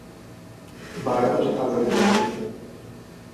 barão de Casagrande